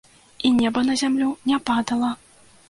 І неба на зямлю не падала.